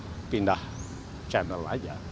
tinggal pindah channel saja